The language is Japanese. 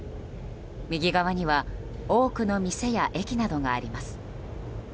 右側には多くの店や駅などがあります。